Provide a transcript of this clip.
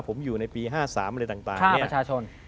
ผมอยู่ในปี๑๙๕๓อะไรต่าง